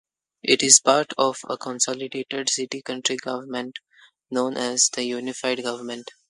It is part of a consolidated city-county government known as the "Unified Government".